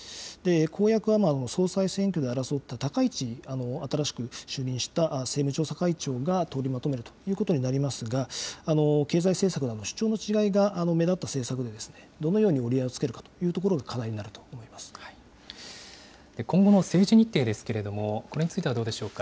公約は総裁選挙で争った高市、新しく就任した政務調査会長が取りまとめるということになりますが、経済政策などの主張の違いが目立った政策で、どのように折り合いをつけるかというところが課題に今後の政治日程ですけれども、これについてはどうでしょうか。